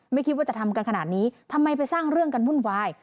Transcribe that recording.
ไม่คิดว่าจะทำกันขนาดนี้ทำไมไปสร้างเรื่องกันวุ่นวาย